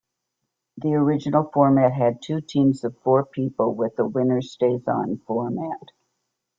The original format had two teams of four people with a winner-stays-on format.